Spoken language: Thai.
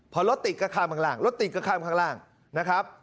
พอรถติดก็ข้ามข้างล่างรถติดก็ข้ามข้างล่างนะครับ